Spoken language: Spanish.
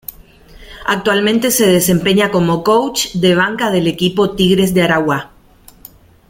Actualmente se desempeña como "coach" de banca del equipo Tigres de Aragua.